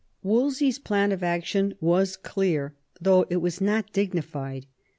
Wolsey's plan of action was clear, though it was not dignified.